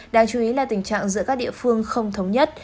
đáng chú ý là tình trạng giữa các địa phương không thống nhất